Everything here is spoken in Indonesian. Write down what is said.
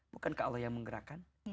bukan ke allah yang menggerakkan